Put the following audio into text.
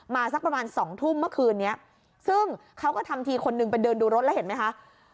สักประมาณสองทุ่มเมื่อคืนนี้ซึ่งเขาก็ทำทีคนหนึ่งไปเดินดูรถแล้วเห็นไหมคะ